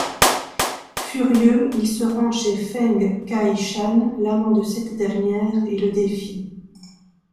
Furieux, il se rend chez Feng Kai-shan, l'amant de cette dernière, et le défie.